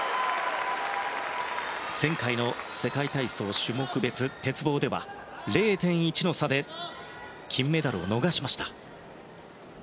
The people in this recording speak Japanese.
前回の世界体操種目別鉄棒では０．１の差で金メダルを逃しました。